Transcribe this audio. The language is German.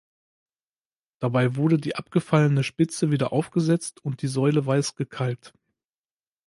Dabei wurde die abgefallene Spitze wieder aufgesetzt und die Säule weiß gekalkt.